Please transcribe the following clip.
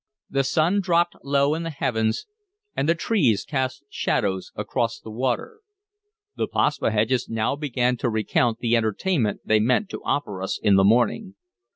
The sun dropped low in the heavens, and the trees cast shadows across the water. The Paspaheghs now began to recount the entertainment they meant to offer us in the morning.